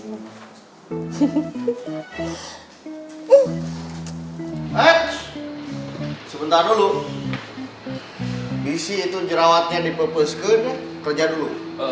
bentar dulu bisi itu jerawatnya di pebus ke ini kerja dulu